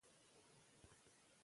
ماشومانو ته درناوی وکړئ.